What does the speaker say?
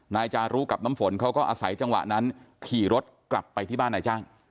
นายจารุกับน้ำฝนเขาก็อาศัยจังหวะนั้นขี่รถกลับไปที่บ้านนายจ้าง